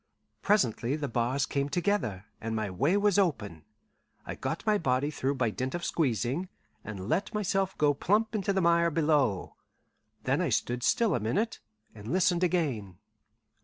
Presently the bars came together, and my way was open. I got my body through by dint of squeezing, and let myself go plump into the mire below. Then I stood still a minute, and listened again.